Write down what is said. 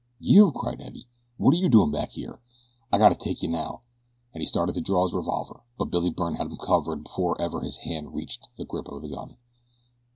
"You?" cried Eddie. "What are you doin' back here? I gotta take you now," and he started to draw his revolver; but Billy Byrne had him covered before ever his hand reached the grip of his gun.